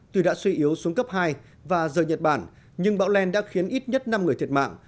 tuy đã suy yếu xuống cấp hai và rời nhật bản nhưng bão lan đã khiến ít nhất năm người thiệt mạng